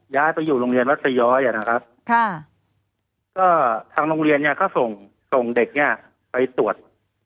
ย้ายไปอยู่โรงเรียนวัดสย้อยนะครับก็ทางโรงเรียนเนี่ยก็ส่งส่งเด็กเนี่ยไปตรวจ